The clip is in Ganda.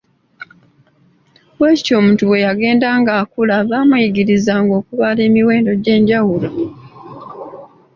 Bwe kityo omuntu bwe yagendanga akula baamuyigirizanga okubala emiwendo egy'enjawulo.